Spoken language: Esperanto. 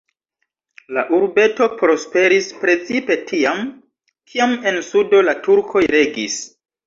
La urbeto prosperis precipe tiam, kiam en sudo la turkoj regis.